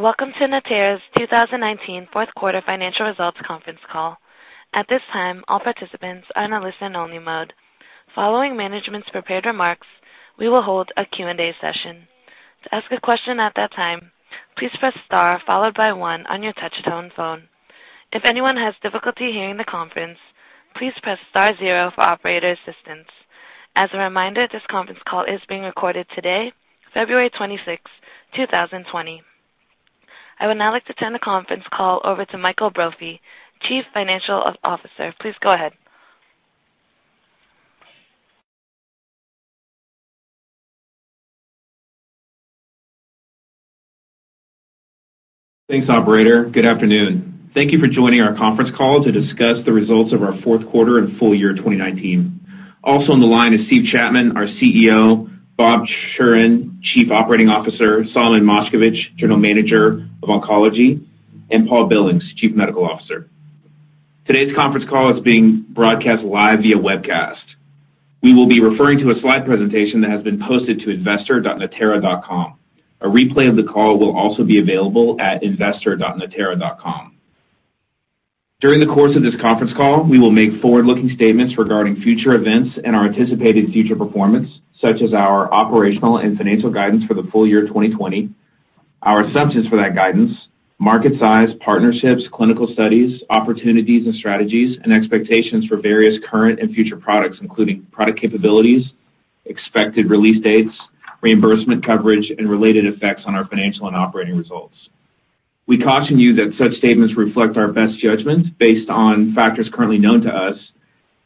Welcome to Natera's 2019 fourth quarter financial results conference call. At this time, all participants are in a listen-only mode. Following management's prepared remarks, we will hold a Q&A session. To ask a question at that time, please press star followed by one on your touch-tone phone. If anyone has difficulty hearing the conference, please press star zero for operator assistance. As a reminder, this conference call is being recorded today, February 26, 2020. I would now like to turn the conference call over to Michael Brophy, Chief Financial Officer. Please go ahead. Thanks, operator. Good afternoon. Thank you for joining our conference call to discuss the results of our fourth quarter and full year 2019. Also on the line is Steve Chapman, our CEO; Bob Shuren, Chief Operating Officer; Solomon Moshkevich, General Manager of Oncology; and Paul Billings, Chief Medical Officer. Today's conference call is being broadcast live via webcast. We will be referring to a slide presentation that has been posted to investor.natera.com. A replay of the call will also be available at investor.natera.com. During the course of this conference call, we will make forward-looking statements regarding future events and our anticipated future performance, such as our operational and financial guidance for the full year 2020, our assumptions for that guidance, market size, partnerships, clinical studies, opportunities and strategies, and expectations for various current and future products, including product capabilities, expected release dates, reimbursement coverage, and related effects on our financial and operating results. We caution you that such statements reflect our best judgment based on factors currently known to us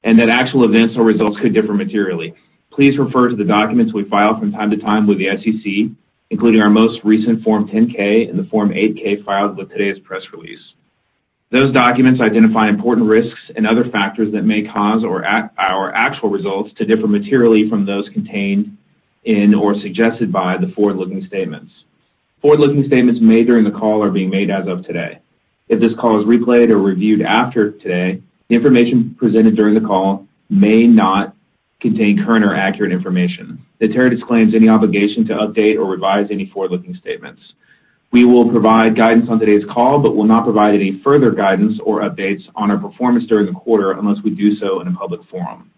and that actual events or results could differ materially. Please refer to the documents we file from time to time with the SEC, including our most recent Form 10-K and the Form 8-K filed with today's press release. Those documents identify important risks and other factors that may cause our actual results to differ materially from those contained in or suggested by the forward-looking statements. Forward-looking statements made during the call are being made as of today. If this call is replayed or reviewed after today, the information presented during the call may not contain current or accurate information. Natera disclaims any obligation to update or revise any forward-looking statements. We will provide guidance on today's call but will not provide any further guidance or updates on our performance during the quarter unless we do so in a public forum.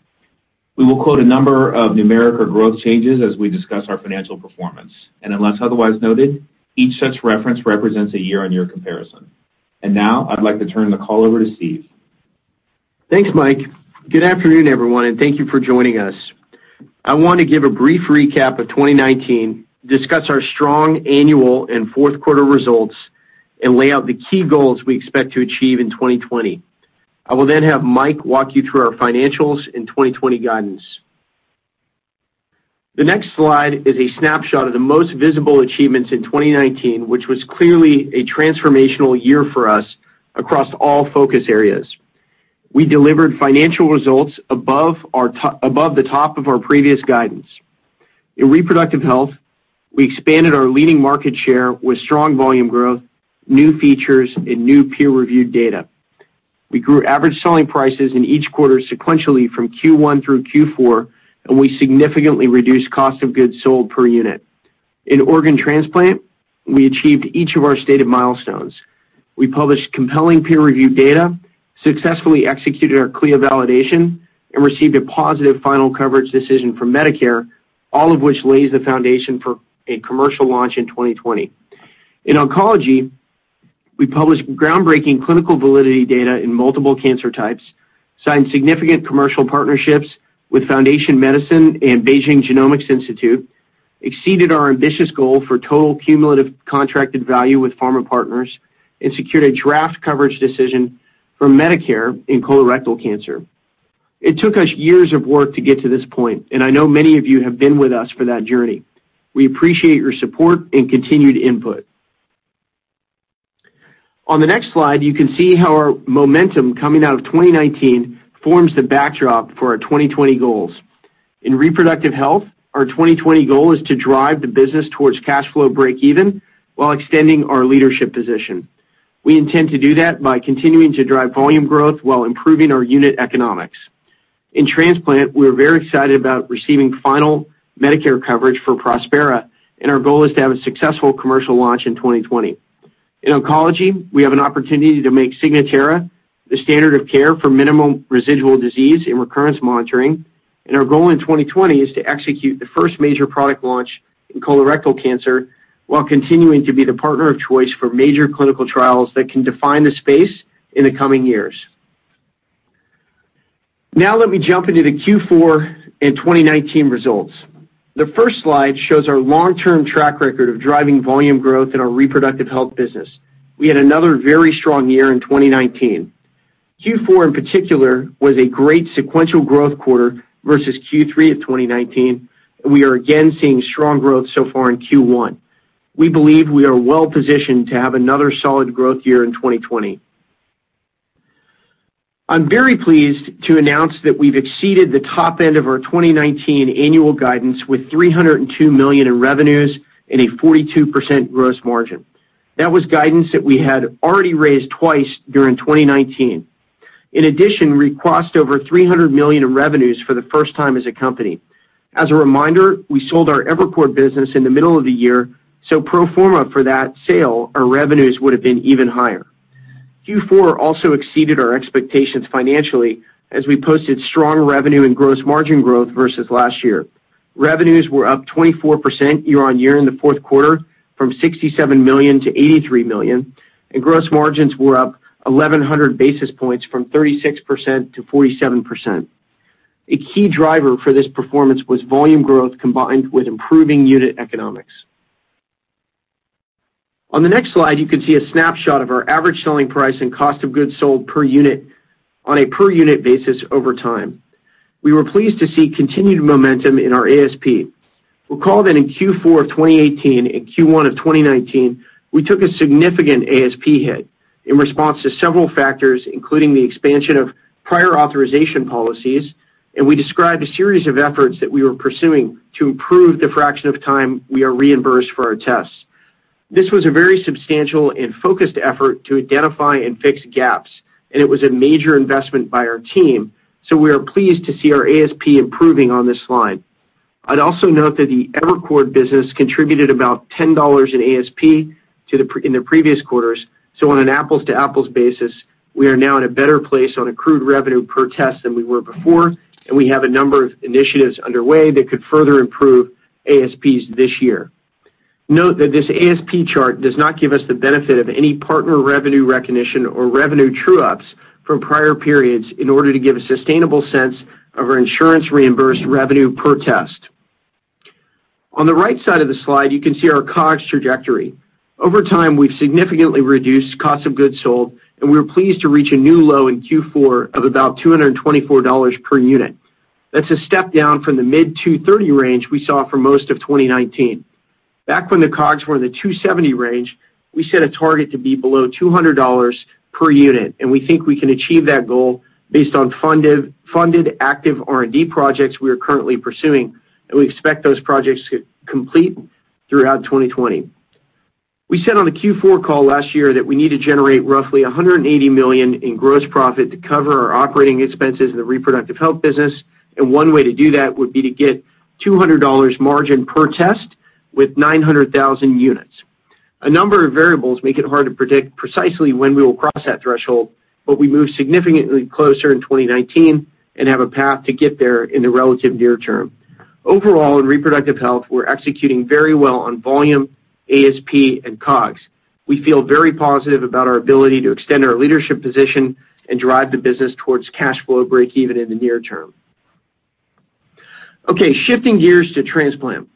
We will quote a number of numeric or growth changes as we discuss our financial performance, and unless otherwise noted, each such reference represents a year-on-year comparison. Now I'd like to turn the call over to Steve Chapman. Thanks, Michael. Good afternoon, everyone, and thank you for joining us. I want to give a brief recap of 2019, discuss our strong annual and fourth quarter results, and lay out the key goals we expect to achieve in 2020. I will then have Michael walk you through our financials and 2020 guidance. The next slide is a snapshot of the most visible achievements in 2019, which was clearly a transformational year for us across all focus areas. We delivered financial results above the top of our previous guidance. In reproductive health, we expanded our leading market share with strong volume growth, new features, and new peer-reviewed data. We grew average selling prices in each quarter sequentially from Q1 through Q4, and we significantly reduced cost of goods sold per unit. In organ transplant, we achieved each of our stated milestones. We published compelling peer-reviewed data, successfully executed our Clinical Laboratory Improvement Amendments validation, and received a positive final coverage decision from Medicare, all of which lays the foundation for a commercial launch in 2020. In oncology, we published groundbreaking clinical validity data in multiple cancer types, signed significant commercial partnerships with Foundation Medicine and Beijing Genomics Institute, exceeded our ambitious goal for total cumulative contracted value with pharma partners, and secured a draft coverage decision from Medicare in colorectal cancer. It took us years of work to get to this point, and I know many of you have been with us for that journey. We appreciate your support and continued input. On the next slide, you can see how our momentum coming out of 2019 forms the backdrop for our 2020 goals. In reproductive health, our 2020 goal is to drive the business towards cash flow breakeven while extending our leadership position. We intend to do that by continuing to drive volume growth while improving our unit economics. In transplant, we're very excited about receiving final Medicare coverage for Prospera, and our goal is to have a successful commercial launch in 2020. In oncology, we have an opportunity to make Signatera the standard of care for minimal residual disease and recurrence monitoring, and our goal in 2020 is to execute the first major product launch in colorectal cancer while continuing to be the partner of choice for major clinical trials that can define the space in the coming years. Now let me jump into the Q4 and 2019 results. The first slide shows our long-term track record of driving volume growth in our reproductive health business. We had another very strong year in 2019. Q4 in particular was a great sequential growth quarter versus Q3 of 2019, and we are again seeing strong growth so far in Q1. We believe we are well-positioned to have another solid growth year in 2020. I'm very pleased to announce that we've exceeded the top end of our 2019 annual guidance with $302 million in revenues and a 42% gross margin. That was guidance that we had already raised twice during 2019. In addition, we crossed over $300 million in revenues for the first time as a company. As a reminder, we sold our Evercord business in the middle of the year, so pro forma for that sale, our revenues would have been even higher. Q4 also exceeded our expectations financially as we posted strong revenue and gross margin growth versus last year. Revenues were up 24% year-over-year in the fourth quarter from $67 million to $83 million, and gross margins were up 1,100 basis points from 36% to 47%. A key driver for this performance was volume growth combined with improving unit economics. On the next slide, you can see a snapshot of our average selling price and cost of goods sold per unit on a per unit basis over time. We were pleased to see continued momentum in our average selling price. Recall that in Q4 of 2018 and Q1 of 2019, we took a significant ASP hit in response to several factors, including the expansion of prior authorization policies, and we described a series of efforts that we were pursuing to improve the fraction of time we are reimbursed for our tests. This was a very substantial and focused effort to identify and fix gaps, and it was a major investment by our team, so we are pleased to see our ASP improving on this slide. I'd also note that the Evercord business contributed about $10 in ASP in the previous quarters. On an apples-to-apples basis, we are now in a better place on accrued revenue per test than we were before, and we have a number of initiatives underway that could further improve ASPs this year. Note that this ASP chart does not give us the benefit of any partner revenue recognition or revenue true-ups from prior periods in order to give a sustainable sense of our insurance-reimbursed revenue per test. On the right side of the slide, you can see our cost of goods sold trajectory. Over time, we've significantly reduced cost of goods sold, and we were pleased to reach a new low in Q4 of about $224 per unit. That's a step down from the mid 230 range we saw for most of 2019. Back when the COGS were in the 270 range, we set a target to be below $200 per unit, and we think we can achieve that goal based on funded active R&D projects we are currently pursuing, and we expect those projects to complete throughout 2020. We said on the Q4 call last year that we need to generate roughly $180 million in gross profit to cover our operating expenses in the reproductive health business. One way to do that would be to get $200 margin per test with 900,000 units. A number of variables make it hard to predict precisely when we will cross that threshold, but we moved significantly closer in 2019 and have a path to get there in the relative near term. Overall, in reproductive health, we're executing very well on volume, ASP, and COGS. We feel very positive about our ability to extend our leadership position and drive the business towards cash flow breakeven in the near term. Okay, shifting gears to transplant.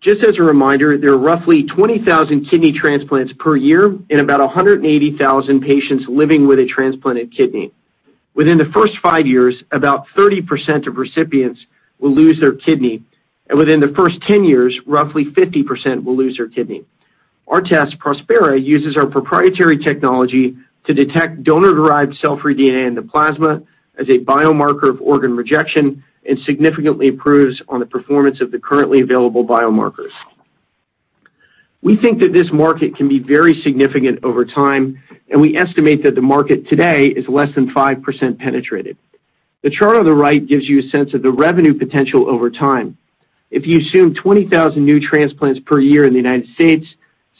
Just as a reminder, there are roughly 20,000 kidney transplants per year and about 180,000 patients living with a transplanted kidney. Within the first five years, about 30% of recipients will lose their kidney, and within the first 10 years, roughly 50% will lose their kidney. Our test, Prospera, uses our proprietary technology to detect donor-derived cell-free deoxyribonucleic acid in the plasma as a biomarker of organ rejection and significantly improves on the performance of the currently available biomarkers. We think that this market can be very significant over time. We estimate that the market today is less than 5% penetrated. The chart on the right gives you a sense of the revenue potential over time. If you assume 20,000 new transplants per year in the U.S.,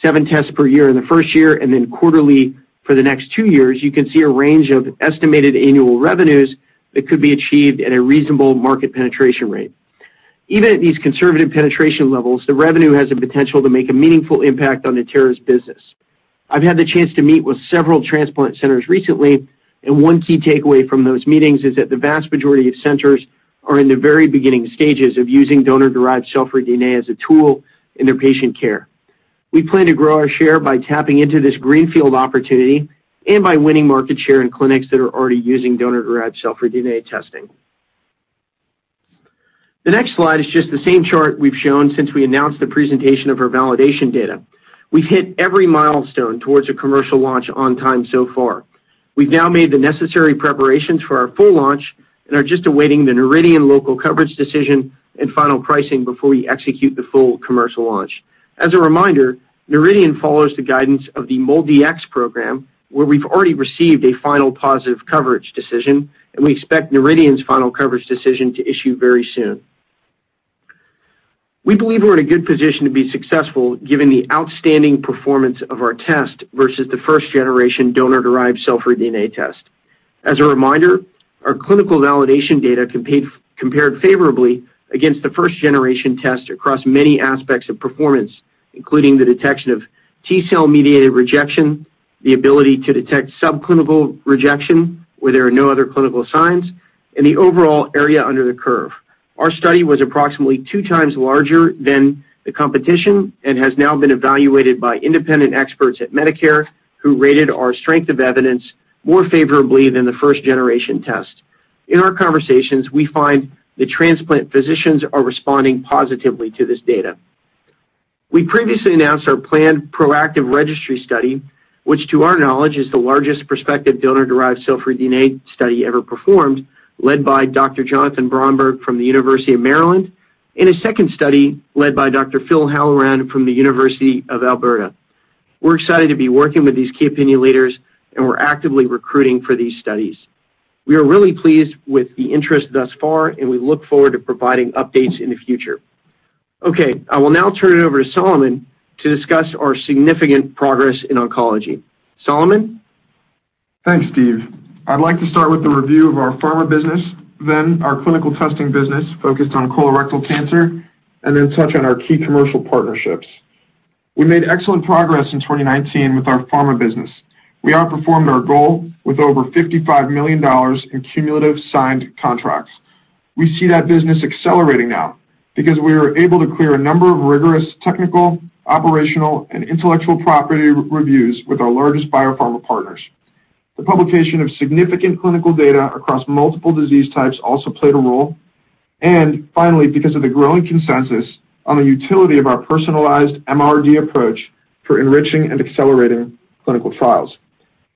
seven tests per year in the first year, then quarterly for the next two years, you can see a range of estimated annual revenues that could be achieved at a reasonable market penetration rate. Even at these conservative penetration levels, the revenue has the potential to make a meaningful impact on Natera's business. I've had the chance to meet with several transplant centers recently, and one key takeaway from those meetings is that the vast majority of centers are in the very beginning stages of using donor-derived cell-free DNA as a tool in their patient care. We plan to grow our share by tapping into this greenfield opportunity and by winning market share in clinics that are already using donor-derived cell-free DNA testing. The next slide is just the same chart we've shown since we announced the presentation of our validation data. We've hit every milestone towards a commercial launch on time so far. We've now made the necessary preparations for our full launch and are just awaiting the Noridian local coverage decision and final pricing before we execute the full commercial launch. As a reminder, Noridian follows the guidance of the MolDx program, where we've already received a final positive coverage decision. We expect Noridian's final coverage decision to issue very soon. We believe we're in a good position to be successful given the outstanding performance of our test versus the first-generation donor-derived cell-free DNA test. As a reminder, our clinical validation data compared favorably against the first-generation test across many aspects of performance, including the detection of T-cell-mediated rejection, the ability to detect subclinical rejection where there are no other clinical signs, and the overall area under the curve. Our study was approximately two times larger than the competition and has now been evaluated by independent experts at Medicare, who rated our strength of evidence more favorably than the first-generation test. In our conversations, we find that transplant physicians are responding positively to this data. We previously announced our planned proactive registry study, which to our knowledge, is the largest prospective donor-derived cell-free DNA study ever performed, led by Dr. Jonathan Bromberg from the University of Maryland and a second study led by Dr. Philip Halloran from the University of Alberta. We're excited to be working with these key opinion leaders, and we're actively recruiting for these studies. We are really pleased with the interest thus far, and we look forward to providing updates in the future. Okay, I will now turn it over to Solomon Moshkevich to discuss our significant progress in oncology. Solomon? Thanks, Steve. I'd like to start with a review of our pharma business, then our clinical testing business focused on colorectal cancer, and then touch on our key commercial partnerships. We made excellent progress in 2019 with our pharma business. We outperformed our goal with over $55 million in cumulative signed contracts. We see that business accelerating now because we were able to clear a number of rigorous technical, operational, and intellectual property reviews with our largest biopharma partners. The publication of significant clinical data across multiple disease types also played a role, and finally, because of the growing consensus on the utility of our personalized minimal residual disease approach for enriching and accelerating clinical trials.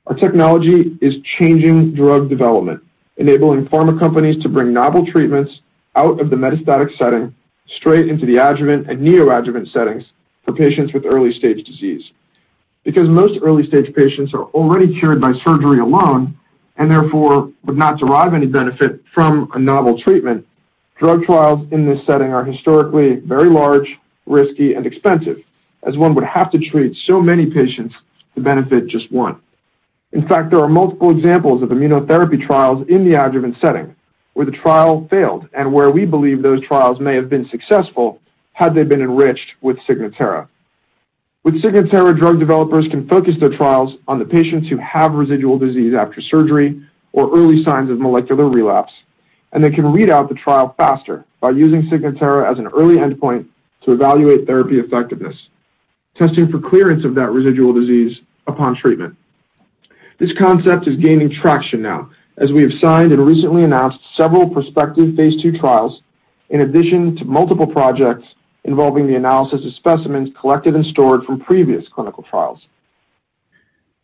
Our technology is changing drug development, enabling pharma companies to bring novel treatments out of the metastatic setting straight into the adjuvant and neoadjuvant settings for patients with early-stage disease. Because most early-stage patients are already cured by surgery alone and therefore would not derive any benefit from a novel treatment, drug trials in this setting are historically very large, risky, and expensive, as one would have to treat so many patients to benefit just one. In fact, there are multiple examples of immunotherapy trials in the adjuvant setting where the trial failed and where we believe those trials may have been successful had they been enriched with Signatera. With Signatera, drug developers can focus their trials on the patients who have residual disease after surgery or early signs of molecular relapse, and they can read out the trial faster by using Signatera as an early endpoint to evaluate therapy effectiveness, testing for clearance of that residual disease upon treatment. This concept is gaining traction now, as we have signed and recently announced several prospective phase II trials, in addition to multiple projects involving the analysis of specimens collected and stored from previous clinical trials.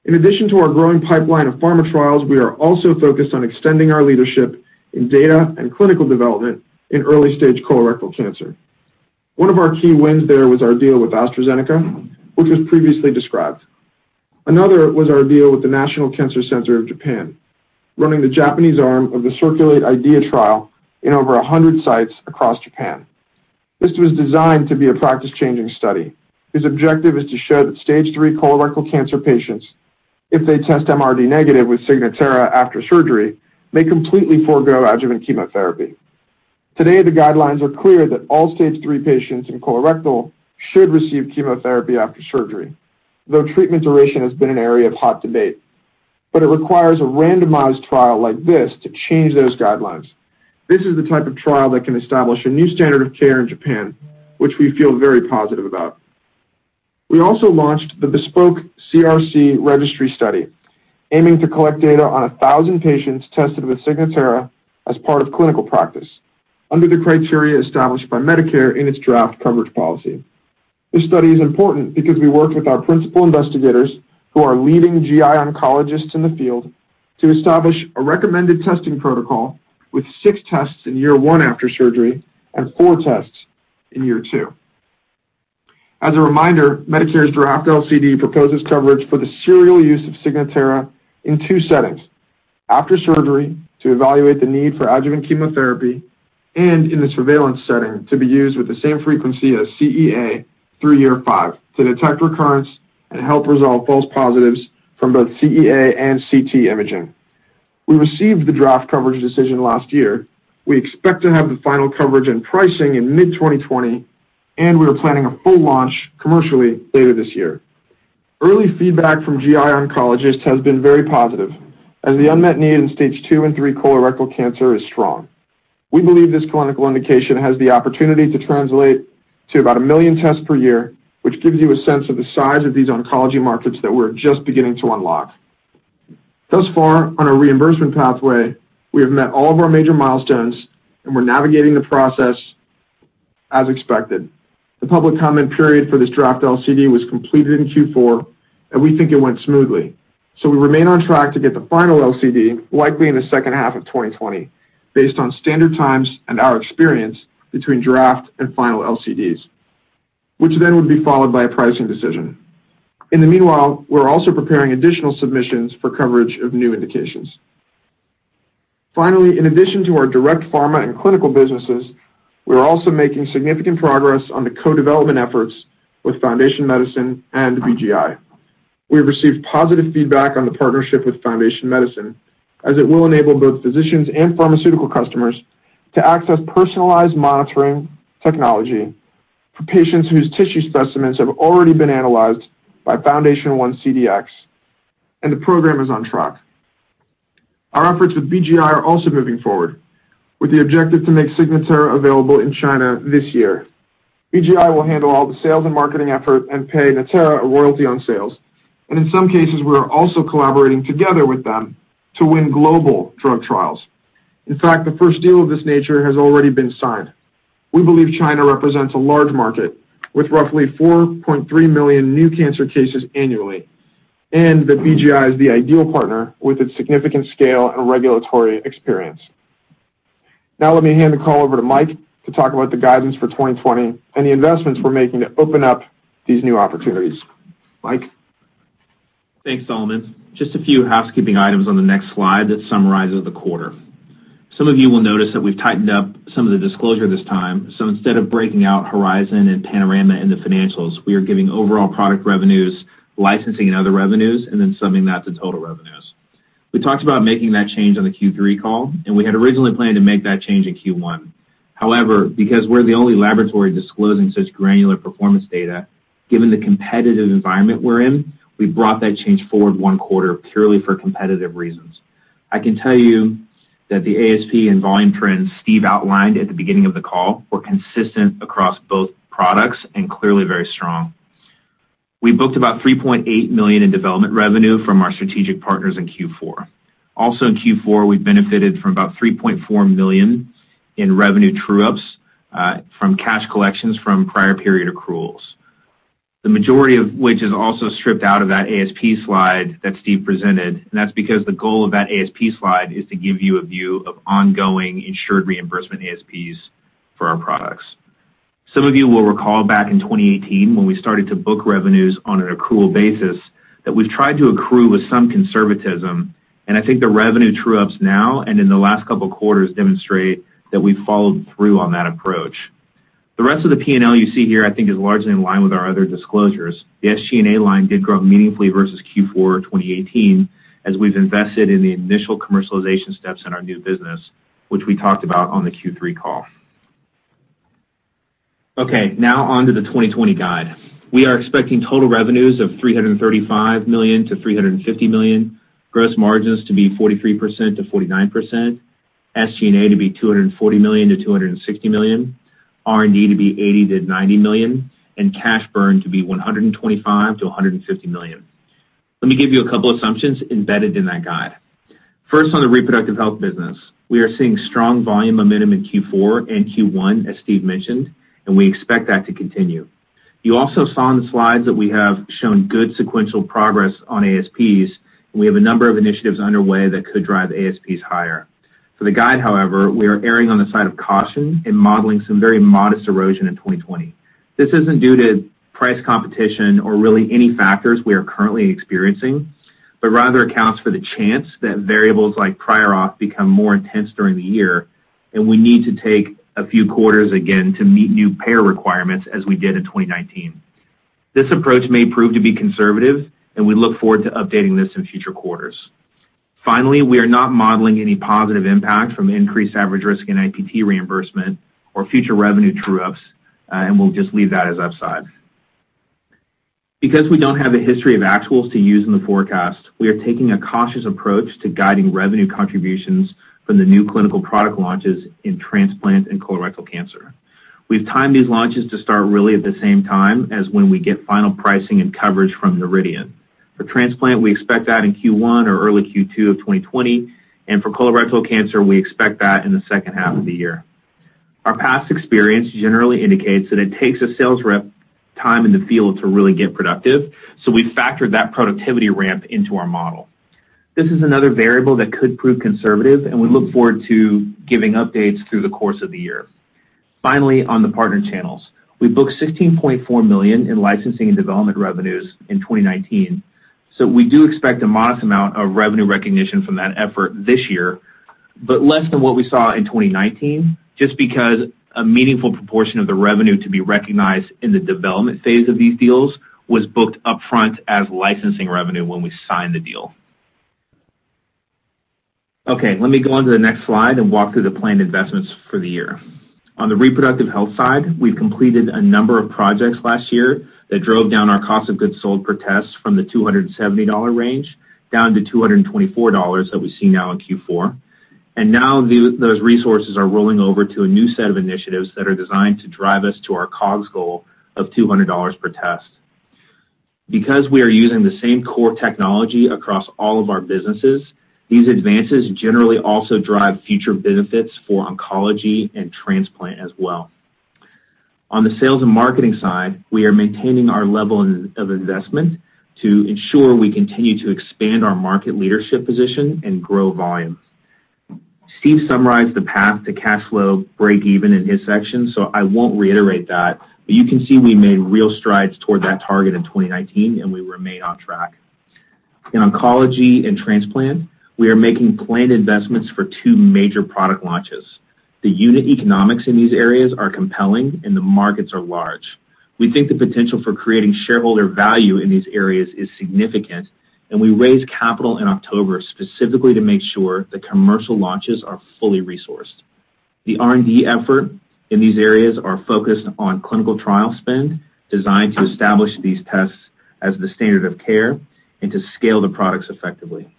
In addition to our growing pipeline of pharma trials, we are also focused on extending our leadership in data and clinical development in early-stage colorectal cancer. One of our key wins there was our deal with AstraZeneca, which was previously described. Another was our deal with the National Cancer Center Japan, running the Japanese arm of the CIRCULATE-IDEA trial in over 100 sites across Japan. This was designed to be a practice-changing study, whose objective is to show that Stage 3 colorectal cancer patients, if they test MRD negative with Signatera after surgery, may completely forgo adjuvant chemotherapy. Today, the guidelines are clear that all Stage III patients in colorectal should receive chemotherapy after surgery, though treatment duration has been an area of hot debate. It requires a randomized trial like this to change those guidelines. This is the type of trial that can establish a new standard of care in Japan, which we feel very positive about. We also launched the BESPOKE CRC Registry Study, aiming to collect data on 1,000 patients tested with Signatera as part of clinical practice under the criteria established by Medicare in its draft coverage policy. This study is important because we worked with our principal investigators, who are leading GI oncologists in the field, to establish a recommended testing protocol with six tests in year one after surgery and four tests in year two. As a reminder, Medicare's draft Local Coverage Determination proposes coverage for the serial use of Signatera in two settings: after surgery to evaluate the need for adjuvant chemotherapy and in the surveillance setting to be used with the same frequency as carcinoembryonic antigen through year five to detect recurrence and help resolve false positives from both CEA and computed tomography imaging. We received the draft coverage decision last year. We expect to have the final coverage and pricing in mid-2020, and we are planning a full launch commercially later this year. Early feedback from GI oncologists has been very positive, as the unmet need in Stage 2 and Stage 3 colorectal cancer is strong. We believe this clinical indication has the opportunity to translate to about a million tests per year, which gives you a sense of the size of these oncology markets that we're just beginning to unlock. Thus far on our reimbursement pathway, we have met all of our major milestones, and we're navigating the process as expected. The public comment period for this draft LCD was completed in Q4, and we think it went smoothly. We remain on track to get the final LCD, likely in the second half of 2020, based on standard times and our experience between draft and final LCDs, which then would be followed by a pricing decision. In the meanwhile, we're also preparing additional submissions for coverage of new indications. Finally, in addition to our direct pharma and clinical businesses, we are also making significant progress on the co-development efforts with Foundation Medicine and Beijing Genomics Institute. We have received positive feedback on the partnership with Foundation Medicine, as it will enable both physicians and pharmaceutical customers to access personalized monitoring technology for patients whose tissue specimens have already been analyzed by FoundationOne CDx, and the program is on track. Our efforts with BGI are also moving forward, with the objective to make Signatera available in China this year. BGI will handle all the sales and marketing effort and pay Natera a royalty on sales. In some cases, we are also collaborating together with them to win global drug trials. In fact, the first deal of this nature has already been signed. We believe China represents a large market with roughly 4.3 million new cancer cases annually, and that BGI is the ideal partner with its significant scale and regulatory experience. Now let me hand the call over to Michael to talk about the guidance for 2020 and the investments we're making to open up these new opportunities. Michael? Thanks, Solomon. Just a few housekeeping items on the next slide that summarizes the quarter. Some of you will notice that we've tightened up some of the disclosure this time. Instead of breaking out Horizon and Panorama in the financials, we are giving overall product revenues, licensing and other revenues, and then summing that to total revenues. We talked about making that change on the Q3 call, and we had originally planned to make that change in Q1. However, because we're the only laboratory disclosing such granular performance data, given the competitive environment we're in, we brought that change forward one quarter purely for competitive reasons. I can tell you that the ASP and volume trends Steve outlined at the beginning of the call were consistent across both products and clearly very strong. We booked about $3.8 million in development revenue from our strategic partners in Q4. Also in Q4, we benefited from about $3.4 million in revenue true-ups from cash collections from prior period accruals. The majority of which is also stripped out of that ASP slide that Steve presented, and that's because the goal of that ASP slide is to give you a view of ongoing insured reimbursement ASPs for our products. Some of you will recall back in 2018 when we started to book revenues on an accrual basis, that we've tried to accrue with some conservatism, and I think the revenue true-ups now and in the last couple of quarters demonstrate that we've followed through on that approach. The rest of the P&L you see here I think is largely in line with our other disclosures. The SG&A line did grow meaningfully versus Q4 2018, as we've invested in the initial commercialization steps in our new business, which we talked about on the Q3 call. Okay, now on to the 2020 guide. We are expecting total revenues of $335 million-$350 million, gross margins to be 43%-49%, SG&A to be $240 million-$260 million, R&D to be $80 million-$90 million, and cash burn to be $125 million-$150 million. Let me give you a couple assumptions embedded in that guide. First, on the reproductive health business. We are seeing strong volume momentum in Q4 and Q1, as Steve mentioned, and we expect that to continue. You also saw on the slides that we have shown good sequential progress on ASPs, and we have a number of initiatives underway that could drive ASPs higher. For the guide, however, we are erring on the side of caution and modeling some very modest erosion in 2020. This isn't due to price competition or really any factors we are currently experiencing, but rather accounts for the chance that variables like prior auth become more intense during the year, and we need to take a few quarters again to meet new payer requirements as we did in 2019. This approach may prove to be conservative, and we look forward to updating this in future quarters. Finally, we are not modeling any positive impact from increased average risk in non-invasive prenatal testing reimbursement or future revenue true-ups, and we'll just leave that as upside. Because we don't have a history of actuals to use in the forecast, we are taking a cautious approach to guiding revenue contributions from the new clinical product launches in transplant and colorectal cancer. We've timed these launches to start really at the same time as when we get final pricing and coverage from Noridian. For transplant, we expect that in Q1 or early Q2 of 2020, and for colorectal cancer, we expect that in the second half of the year. Our past experience generally indicates that it takes a sales rep time in the field to really get productive, so we factored that productivity ramp into our model. This is another variable that could prove conservative, and we look forward to giving updates through the course of the year. Finally, on the partner channels. We booked $16.4 million in licensing and development revenues in 2019. We do expect a modest amount of revenue recognition from that effort this year, but less than what we saw in 2019, just because a meaningful proportion of the revenue to be recognized in the development phase of these deals was booked upfront as licensing revenue when we signed the deal. Let me go on to the next slide and walk through the planned investments for the year. On the reproductive health side, we've completed a number of projects last year that drove down our cost of goods sold per test from the $270 range down to $224 that we see now in Q4. Now those resources are rolling over to a new set of initiatives that are designed to drive us to our COGS goal of $200 per test. Because we are using the same core technology across all of our businesses, these advances generally also drive future benefits for oncology and transplant as well. On the sales and marketing side, we are maintaining our level of investment to ensure we continue to expand our market leadership position and grow volume. Steve summarized the path to cash flow breakeven in his section, so I won't reiterate that, but you can see we made real strides toward that target in 2019, and we remain on track. In oncology and transplant, we are making planned investments for two major product launches. The unit economics in these areas are compelling, and the markets are large. We think the potential for creating shareholder value in these areas is significant, and we raised capital in October specifically to make sure the commercial launches are fully resourced. The R&D effort in these areas are focused on clinical trial spend, designed to establish these tests as the standard of care and to scale the products effectively.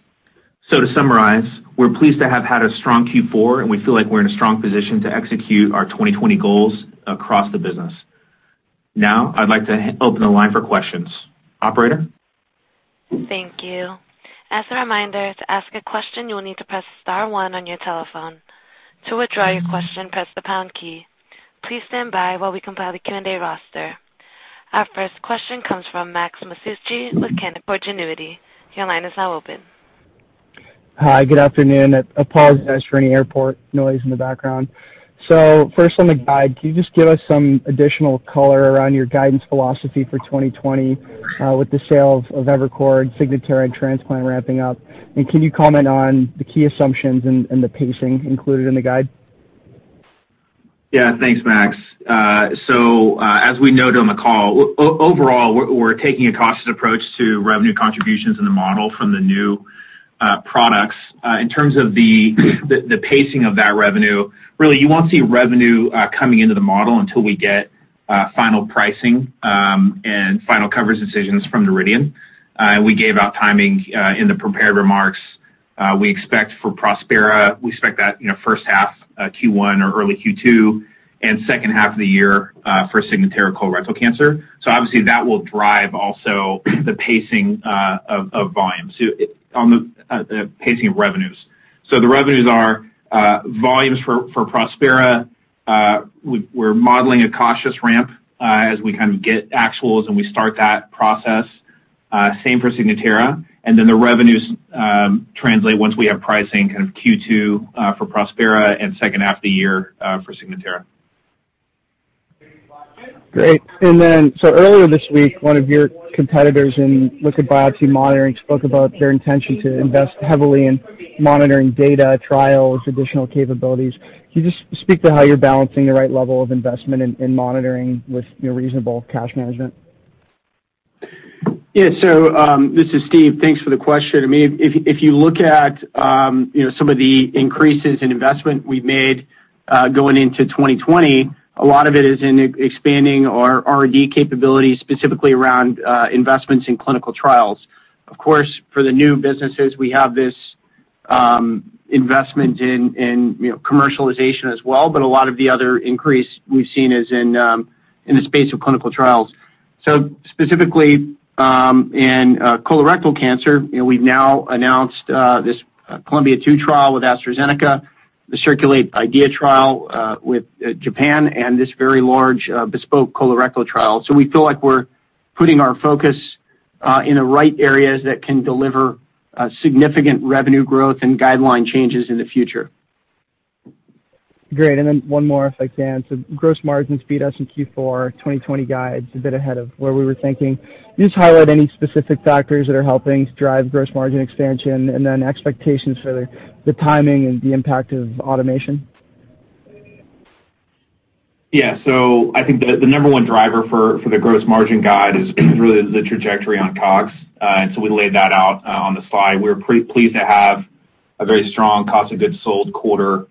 To summarize, we're pleased to have had a strong Q4, and we feel like we're in a strong position to execute our 2020 goals across the business. Now, I'd like to open the line for questions. Operator? Thank you. As a reminder, to ask a question, you will need to press star one on your telephone. To withdraw your question, press the pound key. Please stand by while we compile the Q&A roster. Our first question comes from Mark Massaro with Canaccord Genuity. Your line is now open. Hi, good afternoon. I apologize for any airport noise in the background. First on the guide, can you just give us some additional color around your guidance philosophy for 2020 with the sales of Evercord, Signatera and transplant ramping up? Can you comment on the key assumptions and the pacing included in the guide? Yeah. Thanks, Mark. As we noted on the call, overall, we're taking a cautious approach to revenue contributions in the model from the new products. In terms of the pacing of that revenue, really, you won't see revenue coming into the model until we get final pricing and final coverage decisions from Noridian. We gave out timing in the prepared remarks. We expect for Prospera, we expect that in the first half, Q1 or early Q2, and second half of the year for Signatera colorectal cancer. Obviously, that will drive also the pacing of volumes on the pacing of revenues. The revenues are volumes for Prospera. We're modeling a cautious ramp as we get actuals and we start that process. Same for Signatera. The revenues translate once we have pricing kind of Q2 for Prospera and second half of the year for Signatera. Great. Earlier this week, one of your competitors in liquid biopsy monitoring spoke about their intention to invest heavily in monitoring data, trials, additional capabilities. Can you just speak to how you're balancing the right level of investment in monitoring with reasonable cash management? Yeah. This is Steve. Thanks for the question. I mean, if you look at some of the increases in investment we've made going into 2020, a lot of it is in expanding our R&D capabilities, specifically around investments in clinical trials. For the new businesses, we have this investment in commercialization as well. A lot of the other increase we've seen is in the space of clinical trials. Specifically, in colorectal cancer, we've now announced this COLUMBA trial with AstraZeneca, the CIRCULATE-IDEA trial with Japan, and this very large BESPOKE CRC study. We feel like we're putting our focus in the right areas that can deliver significant revenue growth and guideline changes in the future. Great. One more if I can. Gross margins beat us in Q4, 2020 guides a bit ahead of where we were thinking. Can you just highlight any specific factors that are helping to drive gross margin expansion, and then expectations for the timing and the impact of automation? Yeah. I think the number one driver for the gross margin guide is really the trajectory on COGS. We laid that out on the slide. We're pretty pleased to have a very strong cost of goods sold quarter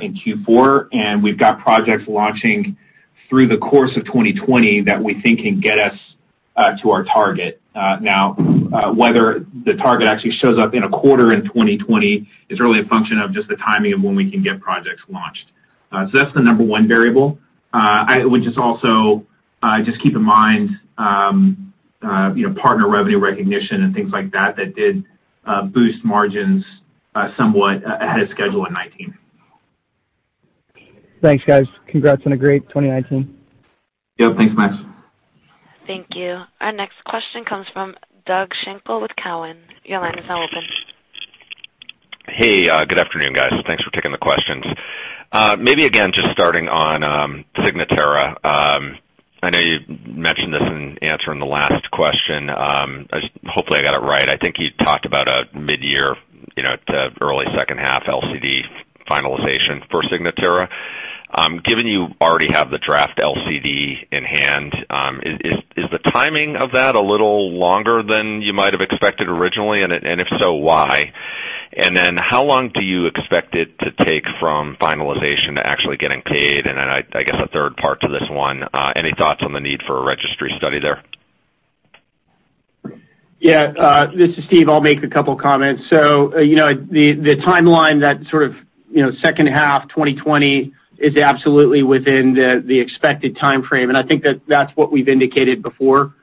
in Q4, and we've got projects launching through the course of 2020 that we think can get us to our target. Now, whether the target actually shows up in a quarter in 2020 is really a function of just the timing of when we can get projects launched. That's the number one variable. I would just also just keep in mind partner revenue recognition and things like that did boost margins somewhat ahead of schedule in 2019. Thanks, guys. Congrats on a great 2019. Yep. Thanks, Mark. Thank you. Our next question comes from Doug Schenkel with Cowen. Your line is now open. Hey, good afternoon, guys. Thanks for taking the questions. Maybe again, just starting on Signatera. I know you mentioned this in answering the last question. Hopefully, I got it right. I think you talked about a mid-year to early second half LCD finalization for Signatera. Given you already have the draft LCD in hand, is the timing of that a little longer than you might have expected originally? If so, why? How long do you expect it to take from finalization to actually getting paid? I guess a third part to this one, any thoughts on the need for a registry study there? Yeah. This is Steve. I'll make a couple comments. The timeline that sort of second half 2020 is absolutely within the expected timeframe, and I think that's what we've indicated before.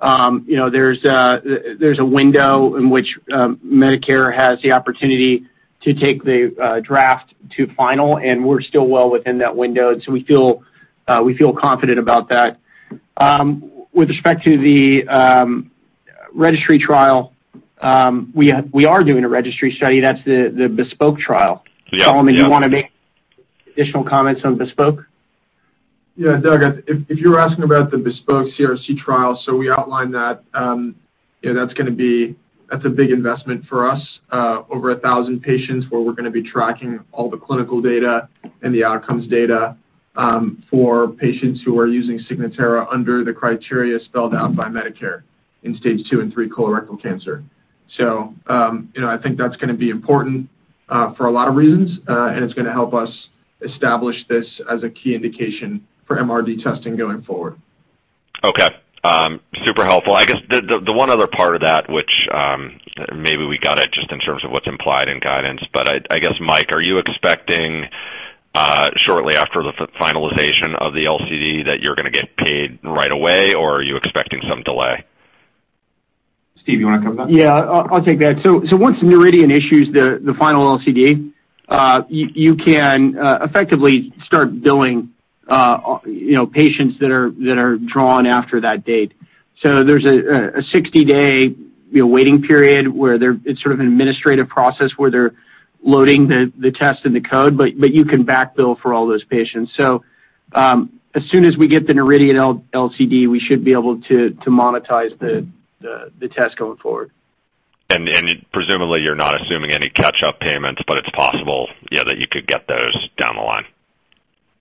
There's a window in which Medicare has the opportunity to take the draft to final, and we're still well within that window. We feel confident about that. With respect to the registry trial, we are doing a registry study. That's the BESPOKE trial. Yeah. Solomon, do you want to make additional comments on BESPOKE? Doug, if you're asking about the BESPOKE CRC study, we outlined that. That's a big investment for us. Over 1,000 patients where we're going to be tracking all the clinical data and the outcomes data for patients who are using Signatera under the criteria spelled out by Medicare in Stage 2 and Stage 3 colorectal cancer. I think that's going to be important for a lot of reasons, and it's going to help us establish this as a key indication for MRD testing going forward. Okay. Super helpful. I guess the one other part of that, which maybe we got it just in terms of what's implied in guidance, but I guess, Michael, are you expecting shortly after the finalization of the LCD that you're going to get paid right away, or are you expecting some delay? Steve, you want to cover that? Yeah, I'll take that. Once Noridian issues the final LCD, you can effectively start billing patients that are drawn after that date. There's a 60-day waiting period where it's sort of an administrative process where they're loading the test and the code, but you can backfill for all those patients. As soon as we get the Noridian LCD, we should be able to monetize the test going forward. Presumably, you're not assuming any catch-up payments, but it's possible that you could get those down the line.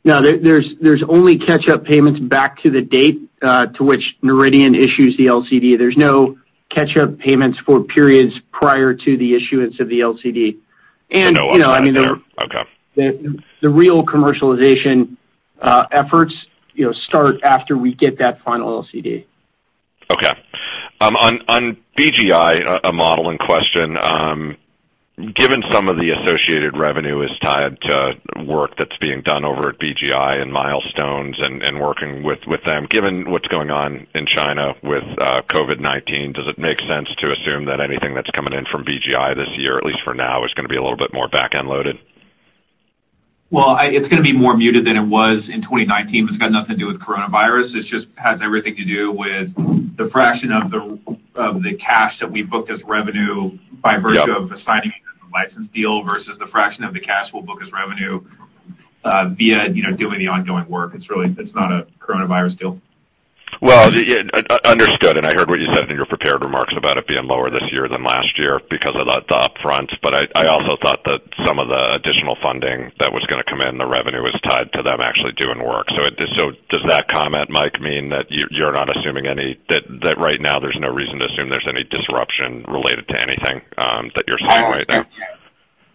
No, there's only catch-up payments back to the date to which Noridian issues the LCD. There's no catch-up payments for periods prior to the issuance of the LCD. No upside there. Okay. The real commercialization efforts start after we get that final LCD. Okay. On BGI modeling question, given some of the associated revenue is tied to work that's being done over at BGI and milestones and working with them, given what's going on in China with COVID-19, does it make sense to assume that anything that's coming in from BGI this year, at least for now, is going to be a little bit more back-end loaded? Well, it's going to be more muted than it was in 2019, but it's got nothing to do with coronavirus. It just has everything to do with the fraction of the cash that we booked as revenue by virtue of the signing of the license deal versus the fraction of the cash we'll book as revenue via doing the ongoing work. It's not a coronavirus deal. Well, understood. I heard what you said in your prepared remarks about it being lower this year than last year because of the upfront. I also thought that some of the additional funding that was going to come in, the revenue was tied to them actually doing work. Does that comment, Michael, mean that you're not assuming that right now there's no reason to assume there's any disruption related to anything that you're seeing right now?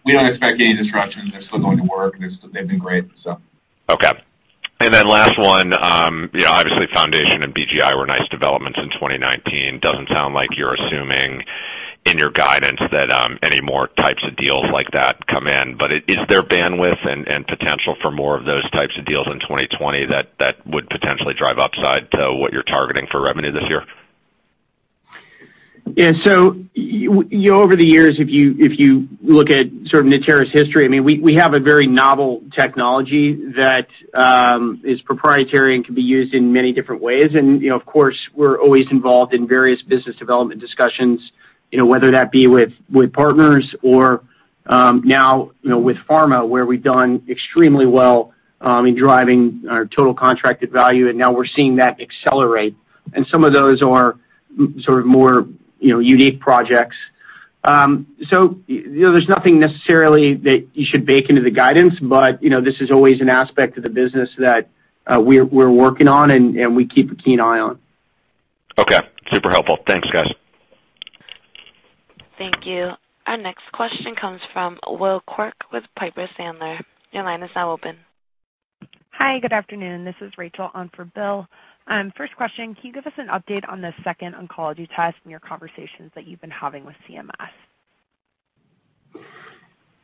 We don't expect any disruption. They're still going to work. They've been great. Okay. Last one, obviously Foundation Medicine and BGI were nice developments in 2019. Doesn't sound like you're assuming in your guidance that any more types of deals like that come in. Is there bandwidth and potential for more of those types of deals in 2020 that would potentially drive upside to what you're targeting for revenue this year? Over the years, if you look at sort of Natera's history, we have a very novel technology that is proprietary and can be used in many different ways. Of course, we're always involved in various business development discussions, whether that be with partners or now with pharma, where we've done extremely well in driving our total contracted value, and now we're seeing that accelerate. Some of those are sort of more unique projects. There's nothing necessarily that you should bake into the guidance, but this is always an aspect of the business that we're working on and we keep a keen eye on. Okay. Super helpful. Thanks, guys. Thank you. Our next question comes from Bill Quirk with Piper Sandler. Your line is now open. Hi. Good afternoon. This is Rachel Vatnsdal on for Bill. First question, can you give us an update on the second oncology test and your conversations that you've been having with CMS?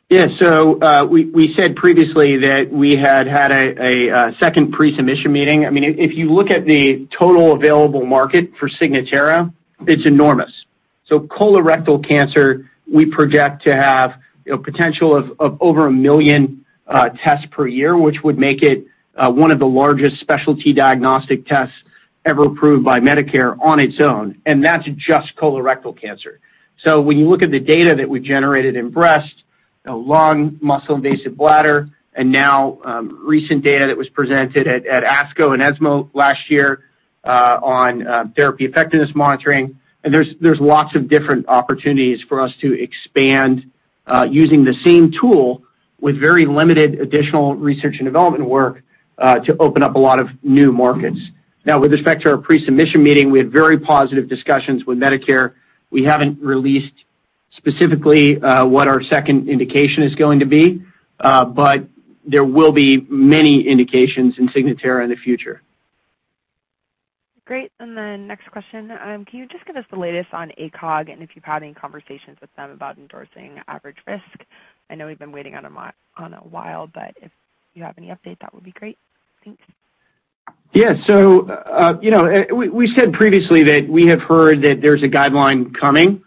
Yeah. We said previously that we had had a second pre-submission meeting. If you look at the total available market for Signatera, it's enormous. Colorectal cancer, we project to have a potential of over 1 million tests per year, which would make it one of the largest specialty diagnostic tests ever approved by Medicare on its own, and that's just colorectal cancer. When you look at the data that we've generated in breast, lung, muscle-invasive bladder, and now recent data that was presented at American Society of Clinical Oncology and European Society for Medical Oncology last year on therapy effectiveness monitoring, and there's lots of different opportunities for us to expand using the same tool with very limited additional research and development work to open up a lot of new markets. Now, with respect to our pre-submission meeting, we had very positive discussions with Medicare. We haven't released specifically what our second indication is going to be, but there will be many indications in Signatera in the future. Great. Next question, can you just give us the latest on ACOG and if you've had any conversations with them about endorsing average risk? I know we've been waiting on a while, but if you have any update, that would be great. Thanks. Yeah. We said previously that we have heard that there's a guideline coming.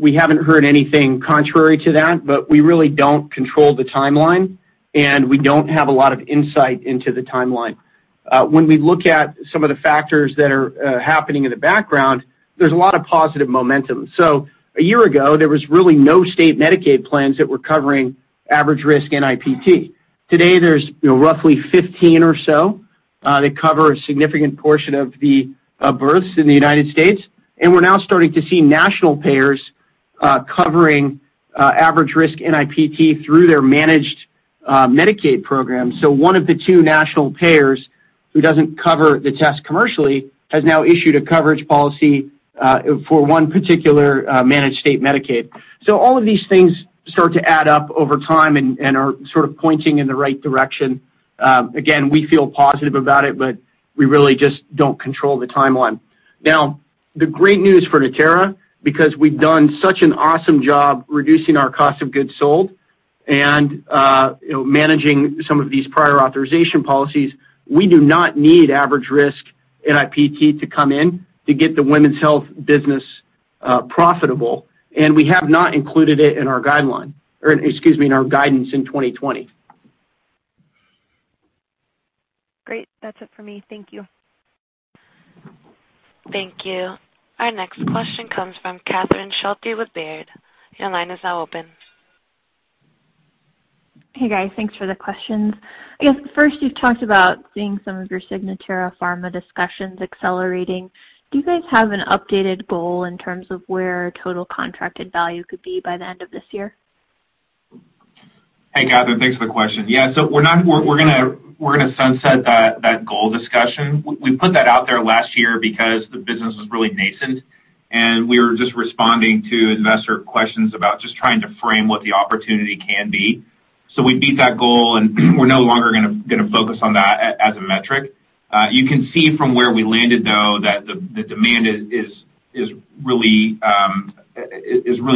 We haven't heard anything contrary to that, but we really don't control the timeline, and we don't have a lot of insight into the timeline. When we look at some of the factors that are happening in the background, there's a lot of positive momentum. A year ago, there was really no state Medicaid plans that were covering average risk NIPT. Today, there's roughly 15 or so that cover a significant portion of births in the U.S., and we're now starting to see national payers covering average risk NIPT through their managed Medicaid program. One of the two national payers who doesn't cover the test commercially has now issued a coverage policy for one particular managed state Medicaid. All of these things start to add up over time and are sort of pointing in the right direction. Again, we feel positive about it, but we really just don't control the timeline. Now, the great news for Natera, because we've done such an awesome job reducing our cost of goods sold and managing some of these prior authorization policies, we do not need average risk NIPT to come in to get the women's health business profitable. We have not included it in our guideline or, excuse me, in our guidance in 2020. Great. That's it for me. Thank you. Thank you. Our next question comes from Catherine Schulte with Baird. Your line is now open. Hey, guys. Thanks for the questions. I guess first, you've talked about seeing some of your Signatera pharma discussions accelerating. Do you guys have an updated goal in terms of where total contracted value could be by the end of this year? Hey, Catherine. Thanks for the question. We're going to sunset that goal discussion. We put that out there last year because the business was really nascent, and we were just responding to investor questions about just trying to frame what the opportunity can be. We beat that goal, and we're no longer going to focus on that as a metric. You can see from where we landed, though, that the demand is really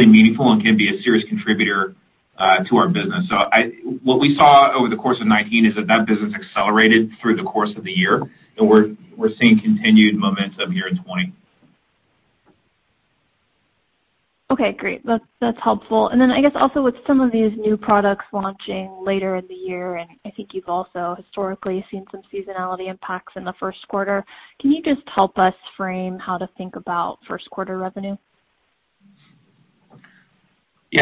meaningful and can be a serious contributor to our business. What we saw over the course of 2019 is that that business accelerated through the course of the year, and we're seeing continued momentum year in 2020. Okay, great. That's helpful. I guess also with some of these new products launching later in the year, and I think you've also historically seen some seasonality impacts in the first quarter, can you just help us frame how to think about first quarter revenue?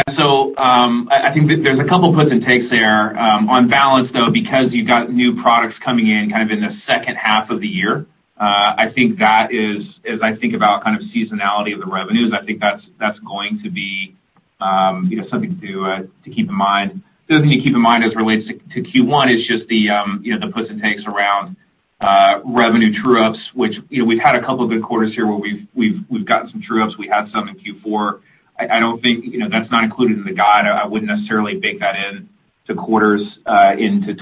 I think there's a couple puts and takes there. On balance, though, because you've got new products coming in in the second half of the year, I think that is, as I think about seasonality of the revenues, I think that's going to be something to keep in mind. The other thing to keep in mind as it relates to Q1 is just the puts and takes around revenue true-ups, which we've had a couple of good quarters here where we've gotten some true-ups. We had some in Q4. That's not included in the guide. I wouldn't necessarily bake that into quarters into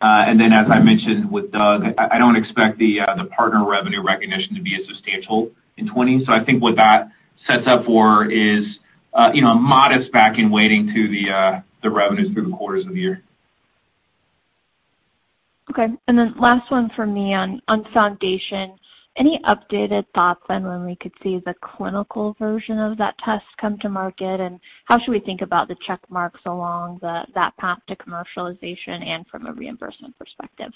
2020. As I mentioned with Doug, I don't expect the partner revenue recognition to be as substantial in 2020. I think what that sets up for is a modest back-end waiting to the revenues through the quarters of the year. Okay. Last one for me on Foundation. Any updated thoughts on when we could see the clinical version of that test come to market? How should we think about the check marks along that path to commercialization and from a reimbursement perspective?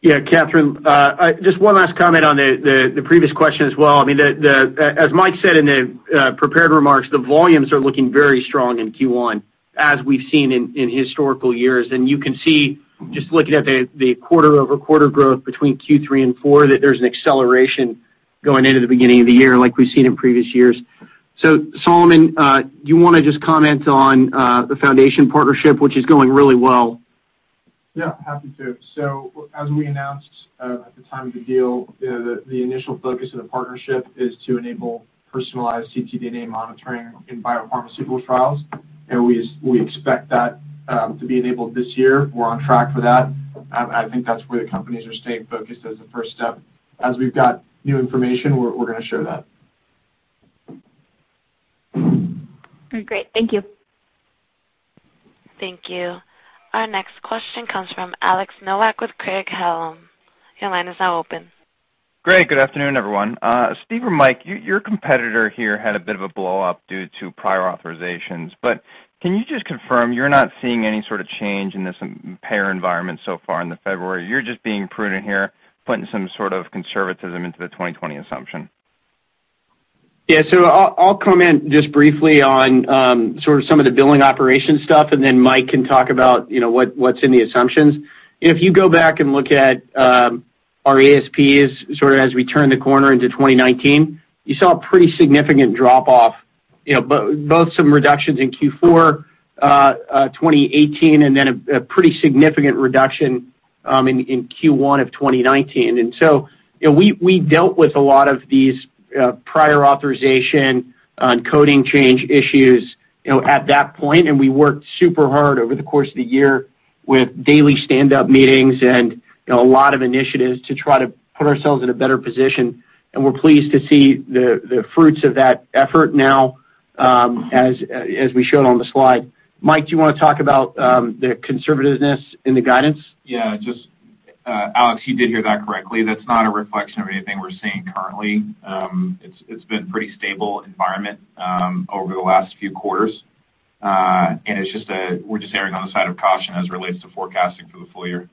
Yeah, Catherine, just one last comment on the previous question as well. As Michael said in the prepared remarks, the volumes are looking very strong in Q1, as we've seen in historical years. You can see, just looking at the quarter-over-quarter growth between Q3 and Q4, that there's an acceleration going into the beginning of the year like we've seen in previous years. Solomon, do you want to just comment on the Foundation partnership, which is going really well? Yeah, happy to. As we announced at the time of the deal, the initial focus of the partnership is to enable personalized ctDNA monitoring in biopharmaceutical trials, and we expect that to be enabled this year. We're on track for that. I think that's where the companies are staying focused as a first step. As we've got new information, we're going to share that. Great. Thank you. Thank you. Our next question comes from Alex Nowak with Craig-Hallum. Your line is now open. Great. Good afternoon, everyone. Steve or Michael, your competitor here had a bit of a blowup due to prior authorizations, but can you just confirm you're not seeing any sort of change in this payer environment so far in February? You're just being prudent here, putting some sort of conservatism into the 2020 assumption. Yeah. I'll comment just briefly on some of the billing operations stuff, and then Michael can talk about what's in the assumptions. If you go back and look at our ASPs as we turn the corner into 2019, you saw a pretty significant drop-off, both some reductions in Q4 2018 and then a pretty significant reduction in Q1 of 2019. We dealt with a lot of these prior authorization on coding change issues at that point, and we worked super hard over the course of the year with daily stand-up meetings and a lot of initiatives to try to put ourselves in a better position. We're pleased to see the fruits of that effort now, as we showed on the slide. Michael, do you want to talk about the conservativeness in the guidance? Yeah, Alex, you did hear that correctly. That's not a reflection of anything we're seeing currently. It's been a pretty stable environment over the last few quarters. We're just erring on the side of caution as it relates to forecasting for the full year.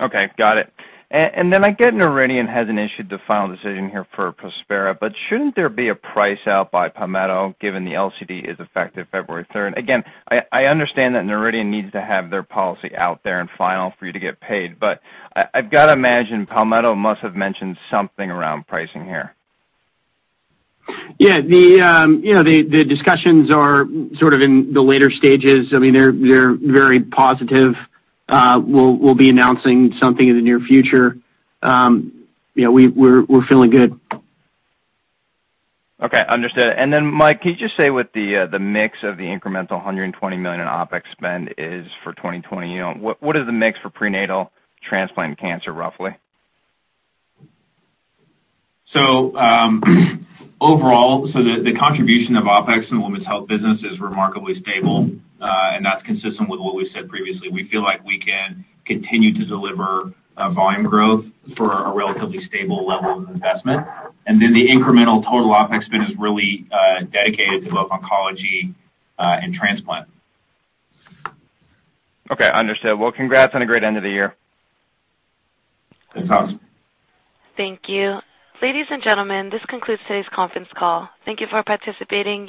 Okay, got it. I get Noridian hasn't issued the final decision here for Prospera, shouldn't there be a price out by Palmetto given the LCD is effective February 3rd? Again, I understand that Noridian needs to have their policy out there and final for you to get paid, I've got to imagine Palmetto must have mentioned something around pricing here. Yeah, the discussions are in the later stages. They're very positive. We'll be announcing something in the near future. We're feeling good. Okay, understood. Michael, can you just say what the mix of the incremental $120 million in OpEx spend is for 2020? What is the mix for prenatal, transplant, and cancer, roughly? Overall, the contribution of OpEx in the women's health business is remarkably stable, and that's consistent with what we said previously. We feel like we can continue to deliver volume growth for a relatively stable level of investment. The incremental total OpEx spend is really dedicated to both oncology and transplant. Okay, understood. Congrats on a great end of the year. Thanks, Alex. Thank you. Ladies and gentlemen, this concludes today's conference call. Thank you for participating.